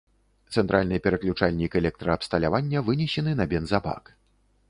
Цэнтральны пераключальнік электраабсталявання вынесены на бензабак.